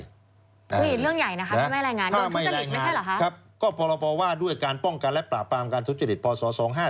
เรื่องใหญ่นะครับไม่รายงานถ้าไม่รายงานก็ประวัติการป้องกันและปราบปรามการทุจจดิตพศ๒๕๔๒